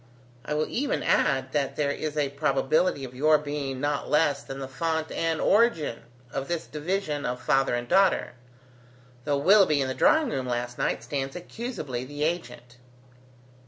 I will even add, that there is a probability of your being not less than the fount and origin of this division of father and daughter, though Willoughby in the drawingroom last night stands accusably the agent."